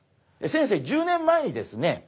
先生１０年前にですね